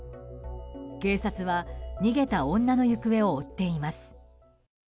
警察は逃げた女の行方を追っています。